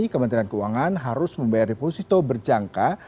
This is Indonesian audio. kementerian keuangan harus membayar deposito berjangka